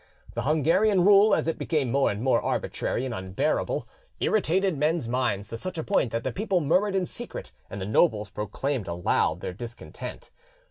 The Hungarian rule, as it became more and more arbitrary and unbearable, irritated men's minds to such a point that the people murmured in secret and the nobles proclaimed aloud their discontent.